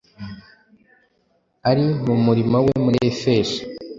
Ari mu murimo we muri Efeso,